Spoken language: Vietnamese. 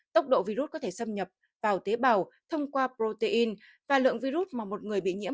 tốc độ virus có thể xâm nhập vào tế bào thông qua protein và lượng virus mà một người bị nhiễm